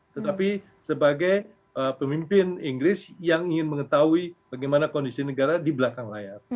tetapi sebagai pemimpin inggris yang ingin mengetahui bagaimana kondisi negara di belakang layar